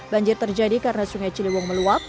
banjir terjadi karena sungai ciliwung meluap